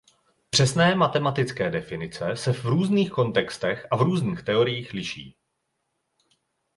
Přesné matematické definice se v různých kontextech a v různých teoriích liší.